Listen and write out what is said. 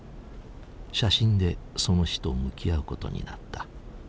写真でその死と向き合うことになった。